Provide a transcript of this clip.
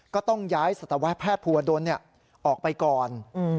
ก็ต้องย้ายสัตวแพทย์ภูวดลออกไปก่อน